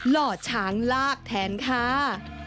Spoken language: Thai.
หล่อช้างลากแทนค่ะ